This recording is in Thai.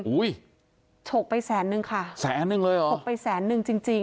อุ้ยฉกไปแสนนึงค่ะแสนนึงเลยเหรอฉกไปแสนนึงจริงจริง